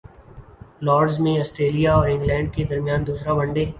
Lords میں Australia اور England کے درمیان دوسرا ون ڈے